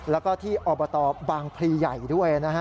แล้วก็ที่อบตบางพลีใหญ่ด้วยนะฮะ